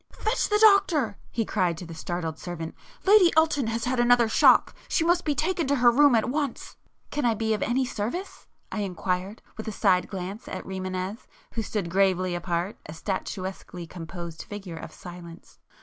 "Fetch the doctor!" he cried to the startled servant—"Lady Elton has had another shock! She must be taken to her room at once!" "Can I be of any service?" I inquired, with a side glance at Rimânez, who stood gravely apart, a statuesquely composed figure of silence.